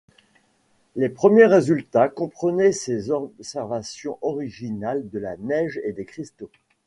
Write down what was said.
Les premiers résultats comprenaient ses observations originales de la neige et des cristaux.